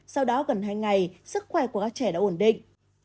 sau đó gần hai ngày sức khỏe của các trẻ đã ổn định